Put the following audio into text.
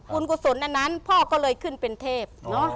กุศลอันนั้นพ่อก็เลยขึ้นเป็นเทพ